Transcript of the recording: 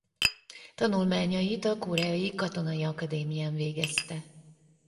Tanulmányait a Koreai Katonai Akadémián végezte.